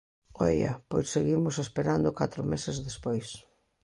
Oia, pois seguimos esperando catro meses despois.